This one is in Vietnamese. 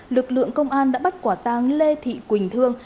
lực lượng công an đã bắt quả tang lê thị quỳnh thương